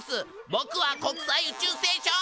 ぼくは国際宇宙ステーション。